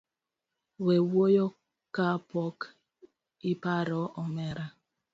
We wuoyo kapok iparo omera.